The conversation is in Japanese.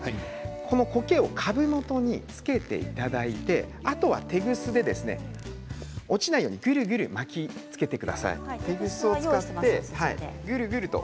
こけを株元につけていただいてあとはテグスで落ちないようにくるくる巻きつけてください。